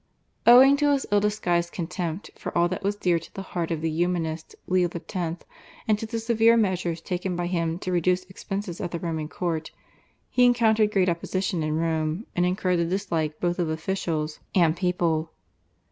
Owing to his ill disguised contempt for all that was dear to the heart of the Humanist Leo X., and to the severe measures taken by him to reduce expenses at the Roman Court, he encountered great opposition in Rome, and incurred the dislike both of officials and people.